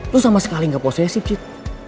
lo sama sekali gak posisif cid